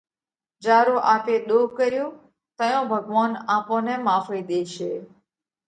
جيا رو آپي ۮوه ڪريوه۔ تئيون ڀڳوونَ آپون نئہ ماڦئِي ۮيشي۔